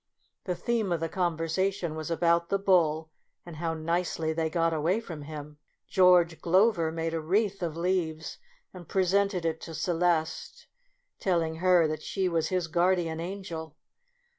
The theme of the conversation was about the bull, and how nicely they got away from him. George Glover made a wreath of leaves and presented it to Celeste, telling her that she was his guardian angel.